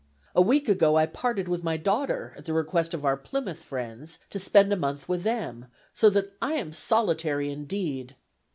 A week ago I parted with my daughter, at the request of our Plymouth friends, to spend a month with them; so that I am solitary indeed.